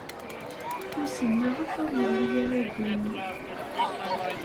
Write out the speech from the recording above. Wissen maɣef ur yelli ara din.